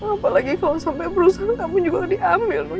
apalagi kalau sampai berusaha kamu juga diambil noh